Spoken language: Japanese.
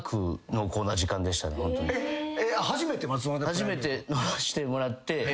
初めて飲ましてもらって。